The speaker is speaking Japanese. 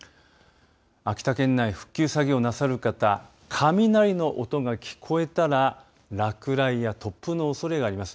秋田県内、復旧作業なさる方雷の音が聞こえたら落雷や突風のおそれがあります。